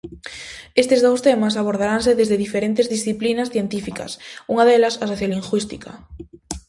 Estes dous temas abordaranse desde diferentes disciplinas científicas, unha delas a sociolingüística.